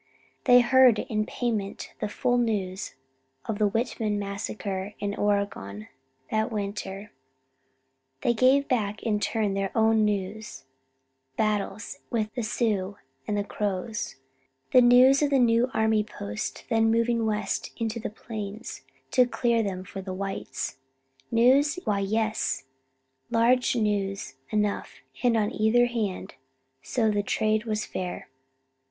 They heard in payment the full news of the Whitman massacre in Oregon that winter; they gave back in turn their own news of the battles with the Sioux and the Crows; the news of the new Army posts then moving west into the Plains to clear them for the whites. News? Why, yes, large news enough, and on either hand, so the trade was fair.